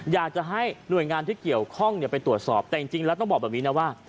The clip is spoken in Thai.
อยากจะให้หน่วยงานที่เกี่ยวข้องไปตรวจสอบแต่จริงแล้วต้องบอกแบบนี้นะว่า